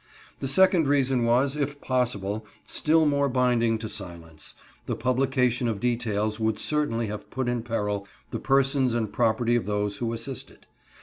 The second reason was, if possible, still more binding to silence: the publication of details would certainly have put in peril the persons and property of those who assisted.